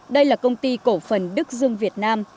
đây là công ty cổ phần đức dương việt nam